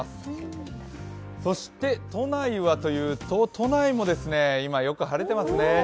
そして都内はというと、都内も今、よく晴れてますね。